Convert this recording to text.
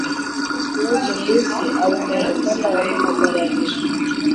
Kristo yaje mu isi, aba umuntu kandi aranamuhagararira